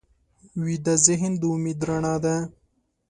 ویده ذهن د امید رڼا ده